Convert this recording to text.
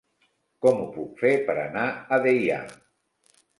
Com ho puc fer per anar a Deià?